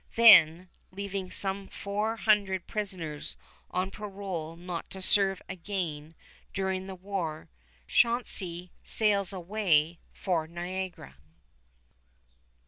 Then, leaving some four hundred prisoners on parole not to serve again during the war, Chauncey sails away for Niagara.